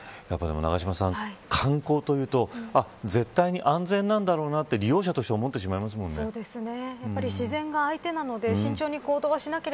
永島さん、観光というと絶対に安全なんだろうなと利用者としては思ってしまいますもんね。